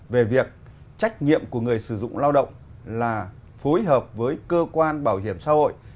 về việc trách nhiệm của người sử dụng lao động là phối hợp với cơ quan bảo hiểm xã hội